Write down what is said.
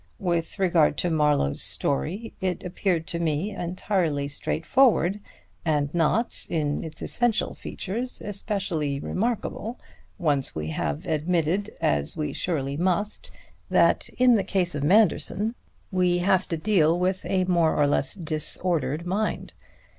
With regard to Marlowe's story, it appeared to me entirely straightforward, and not, in its essential features, especially remarkable, once we have admitted, as we surely must, that in the case of Manderson we have to deal with a more or less disordered mind.